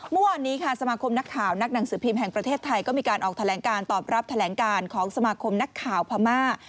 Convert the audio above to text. เมื่อวานนี้ค่ะสมาคมนักข่าวนักหนังสือพิมพ์แห่งประเทศไทยก็มีการออกแถลงการตอบรับแถลงการของสมาคมนักข่าวพม่า